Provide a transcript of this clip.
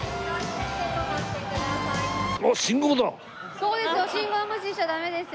そうですよ！